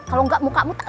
kalau enggak mukamu tuh